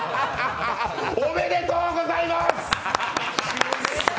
おめでとーございます！